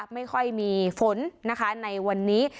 ไม่ค่อยมีฝนนะคะในวันนี้